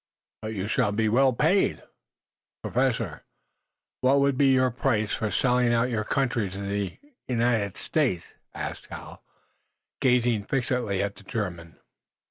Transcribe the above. "But you shall be well paid!" "Professor, what would be your price for selling out your country to the United States?" asked Hal, gazing fixedly at the German.